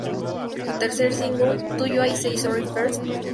Su tercer single "So Do I Say Sorry First?